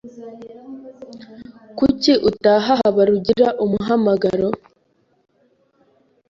Kuki utaha Habarugira umuhamagaro?